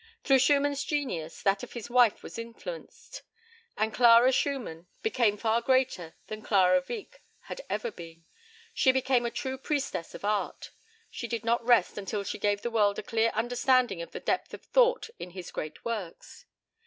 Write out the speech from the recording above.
Through Schumann's genius, that of his wife was influenced, and Clara Schumann became far greater than Clara Wieck had ever been. She became a true priestess of art. She did not rest until she gave the world a clear understanding of the depth of thought in his great works.